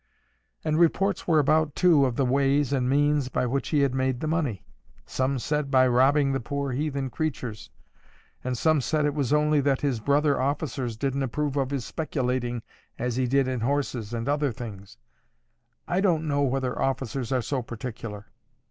And reports were about, too, of the ways and means by which he had made the money; some said by robbing the poor heathen creatures; and some said it was only that his brother officers didn't approve of his speculating as he did in horses and other things. I don't know whether officers are so particular.